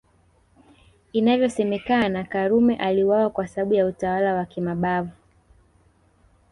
Inavyosemekana Karume aliuawa kwa sababu ya utawala wa kimabavu